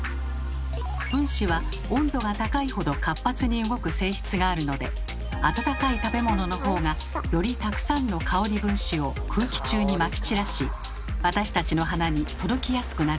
分子は温度が高いほど活発に動く性質があるので温かい食べ物のほうがよりたくさんの香り分子を空気中にまき散らし私たちの鼻に届きやすくなるのです。